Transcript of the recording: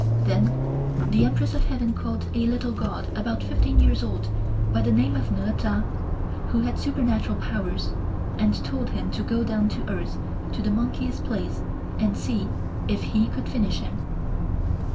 Then the Empress of Heaven called a little god about fifteen years old by the name of Neur Cha, who had supernatural powers, and told him to go down to earth to the monkey's place and see if he could finish him.